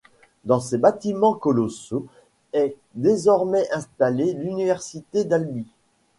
Dans ces bâtiments colossaux est désormais installée l'université d'Albi.